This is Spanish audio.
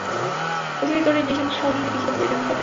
Fue escrito por Jason Cahill y dirigido por John Patterson.